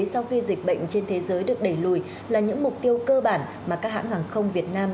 sau khi dịch bệnh trên thế giới được đẩy lùi là những mục tiêu cơ bản mà các hãng hàng không việt nam